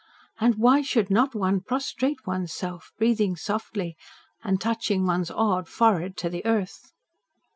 And why should not one prostrate one's self, breathing softly and touching one's awed forehead to the earth?"